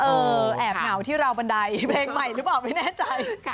แอบเหงาที่ราวบันไดเพลงใหม่หรือเปล่าไม่แน่ใจ